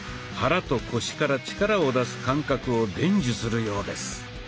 肚と腰から力を出す感覚を伝授するようです。